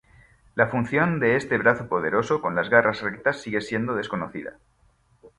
La función de este brazo poderoso, con las garras rectas sigue siendo desconocida.